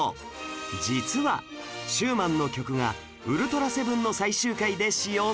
実はシューマンの曲が『ウルトラセブン』の最終回で使用されていたんです